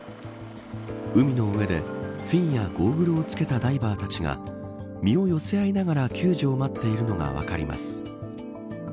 海の上でフィンやゴーグルを着けたダイバーたちが身を寄せ合いながら救助を待っているのが分かります。